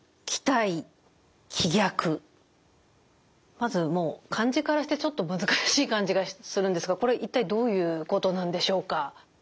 まず漢字からしてちょっと難しい感じがするんですがこれ一体どういうことなんでしょうか。